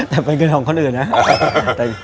แต่เป็นเงินของคนอื่นนะ